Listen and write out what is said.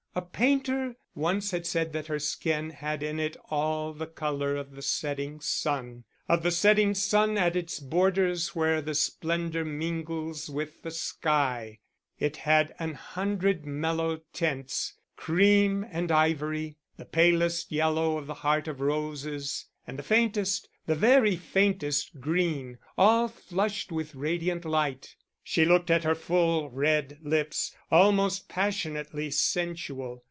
A painter once had said that her skin had in it all the colour of the setting sun, of the setting sun at its borders where the splendour mingles with the sky; it had an hundred mellow tints, cream and ivory, the palest yellow of the heart of roses and the faintest, the very faintest green, all flushed with radiant light. She looked at her full, red lips, almost passionately sensual.